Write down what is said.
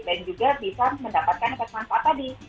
dan juga bisa mendapatkan efek manfaat tadi